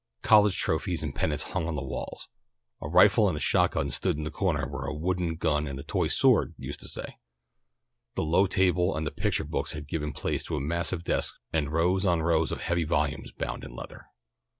College trophies and pennants hung on the walls. A rifle and a shotgun stood in the corner where a wooden gun and a toy sword used to stay. The low table and the picture books had given place to a massive desk and rows on rows of heavy volumes bound in leather.